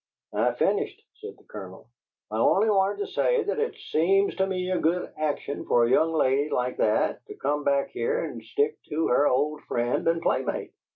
"I've finished," said the Colonel. "I only wanted to say that it seems to me a good action for a young lady like that to come back here and stick to her old friend and playmate."